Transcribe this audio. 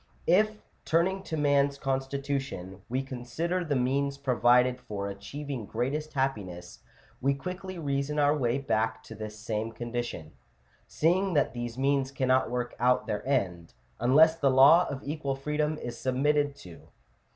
III.). If, turning to man's constitution, we consider the means provided for achieving greatest happiness, we quickly reason our way back to this same condition ; seeing that these means cannot work out their end, unless the law of equal freedom is submitted to (Chap.